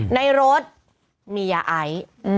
ในรถมียาไอ